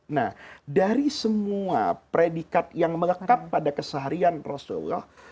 nah dari semua predikat yang melekat pada keseharian rasulullah